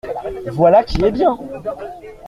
Voilà qui est bien !